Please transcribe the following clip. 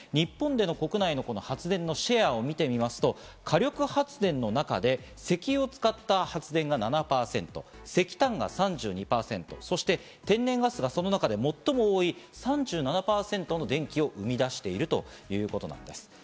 日本での国内の発電のシェアを見てみますと、火力発電の中で石油を多く使った発電が７％、石炭が３２％、そして、天然ガスがその中で最も多い３７％の電気を生み出しているということなんです。